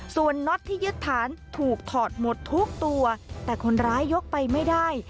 ส่วนน็อตที่ยึดฐานถูกถอดหมดทุกตัวแต่คนร้ายยกไปไม่ได้